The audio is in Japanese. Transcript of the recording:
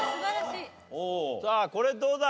おおさあこれどうだ？